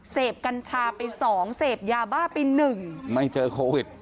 กัญชาไปสองเสพยาบ้าไปหนึ่งไม่เจอโควิด